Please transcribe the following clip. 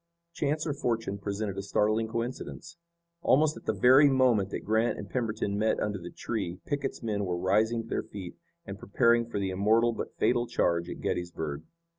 Chance or fortune presented a startling coincidence. Almost at the very moment that Grant and Pemberton met under the tree Pickett's men were rising to their feet and preparing for the immortal but fatal charge at Gettysburg.